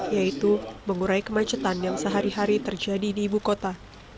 yaitu mengurai kemacetan yang sehari hari terjadi di ibu kota